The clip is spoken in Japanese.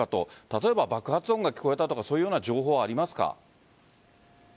例えば爆発音が聞こえたとかそういうような情報はありますか？